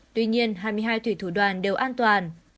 tuy nhiên hai mươi hai thủy thủ đoàn đều an toàn